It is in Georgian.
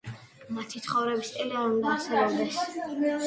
მათი ცხოვრების სტილი არ უნდა არსებობდეს.